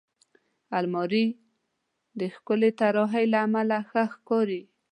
الماري د ښکلې طراحۍ له امله ښه ښکاري